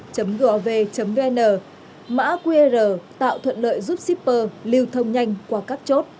gov vn mã qr tạo thuận lợi giúp shipper lưu thông nhanh qua các chốt